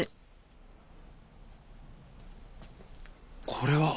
これは？